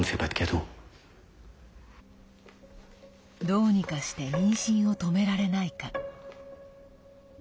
どうにかして妊娠を止められないか。